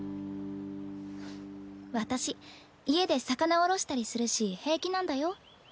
私家で魚おろしたりするし平気なんだよ。